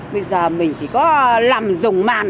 bây giờ mình chỉ có làm dùng màn